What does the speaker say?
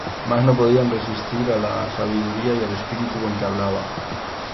Mas no podían resistir á la sabiduría y al Espíritu con que hablaba.